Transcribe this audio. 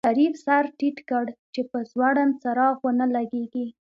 شريف سر ټيټ کړ چې په ځوړند څراغ ونه لګېږي.